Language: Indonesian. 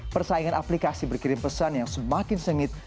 persaingan aplikasi berkirim pesan yang semakin sengit